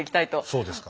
そうですか。